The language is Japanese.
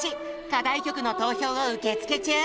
課題曲の投票を受付中。